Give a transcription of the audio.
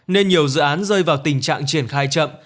nên nhiều dự án rơi vào tình trạng triển khai chậm